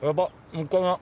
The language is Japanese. もったいな。